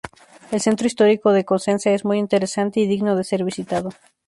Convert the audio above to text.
El centro histórico de Cosenza es muy interesante y digno de ser visitado.